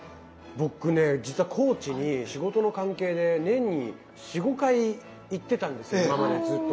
僕ね実は高知に仕事の関係で年に４５回行ってたんです今までずっと。